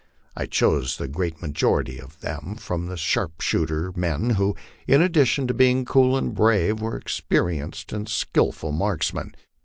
I chose the great majority of them from the sharpshooters, men who, in addition to being cool and brave, were experi enced and skilful marksmen.